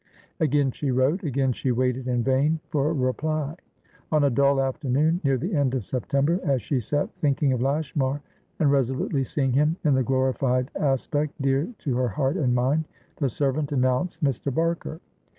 Again she wrote. Again she waited in vain for a reply. On a dull afternoon near the end of September, as she sat thinking of Lashmar and resolutely seeing him in the glorified aspect dear to her heart and mind, the servant announced Mr. Barker.